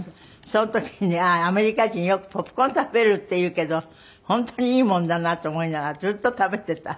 その時にねアメリカ人よくポップコーンを食べるっていうけど本当にいいものだなと思いながらずっと食べてた。